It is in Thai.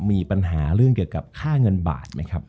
มีปัญหาเรื่องเกี่ยวกับค่าเงินบาทไหมครับ